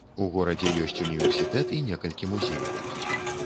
У горадзе ёсць універсітэт і некалькі музеяў.